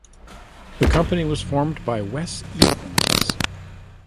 The company was formed by Wes Edens.